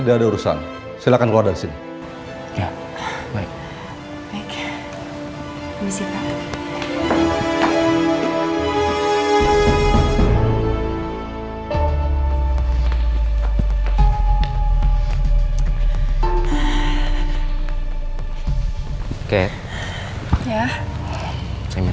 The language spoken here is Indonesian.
kalian sedang apa dan cari siapa di sini